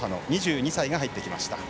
２２歳が入ってきました。